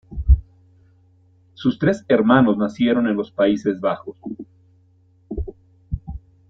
Sus tres hermanos nacieron en los Países Bajos.